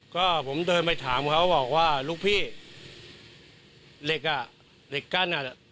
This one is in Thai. ก็ผมเดินไปถามเขาบอกว่าลูกพี่เหล็กอ่ะเหล็กกั้นอ่ะ